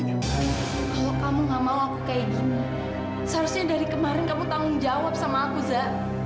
kalau kamu gak mau aku kayak gini seharusnya dari kemarin kamu tanggung jawab sama aku za